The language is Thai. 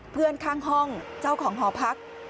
เพื่อนข้างห้องเจ้าของหอพัก